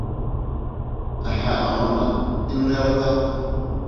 Әһә, аңланым, һин уны яратаһың.